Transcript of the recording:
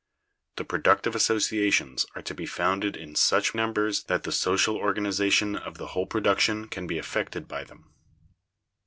The productive associations are to be founded in such numbers that the social organization of the whole production can be effected by them.